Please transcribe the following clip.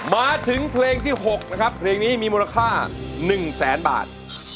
มาถึงเพลงที่๖นะครับเพลงนี้มีมูลค่า๑แสนบาท